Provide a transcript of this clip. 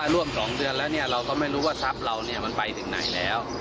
ร่วม๒เดือนแล้วเราก็ไม่รู้ว่าทรัพย์เรามันไปถึงไหนแล้ว